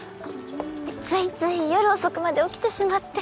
ついつい夜遅くまで起きてしまって。